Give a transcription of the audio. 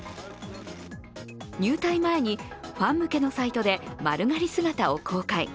入隊前にファン向けのサイトで丸刈り姿を公開。